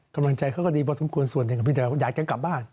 กำลังใจเขาก็ดีพอสมควรส่วนหนึ่งของพี่แต่อยากจะกลับบ้าน